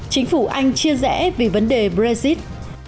chính phủ anh chia rẽ vì vấn đề brexit